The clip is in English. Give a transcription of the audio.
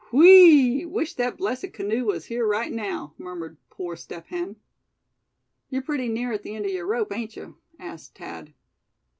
"Whee! wish that blessed canoe was here right now," murmured poor Step Hen. "You're pretty near at the end of your rope, ain't you?" asked Thad.